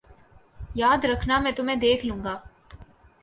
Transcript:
یاد رکھنا میں تمہیں دیکھ لوں گا